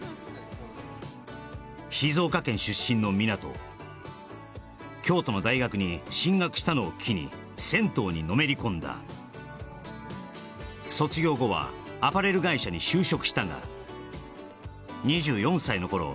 静岡県出身の湊京都の大学に進学したのを機に銭湯にのめり込んだ卒業後はアパレル会社に就職したが２４歳のころ